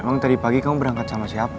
emang tadi pagi kamu berangkat sama siapa